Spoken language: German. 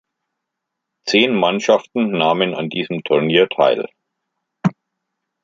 Zehn Mannschaften nahmen an diesem Turnier teil.